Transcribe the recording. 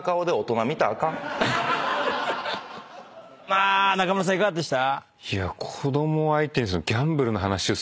まあ中村さんいかがでした？